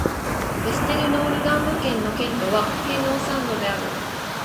ヴェステルノールランド県の県都はヘーノーサンドである